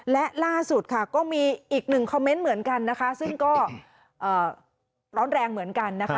และล่าสุดค่ะก็มีอีกหนึ่งคอมเมนต์เหมือนกันนะคะซึ่งก็ร้อนแรงเหมือนกันนะคะ